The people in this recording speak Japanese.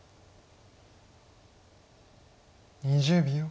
２０秒。